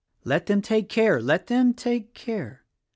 "Let them take care — let them take care!